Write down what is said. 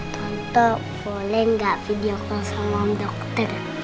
tante boleh nggak video call sama om dokter